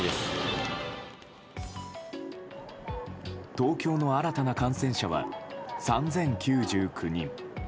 東京の新たな感染者は３０９９人。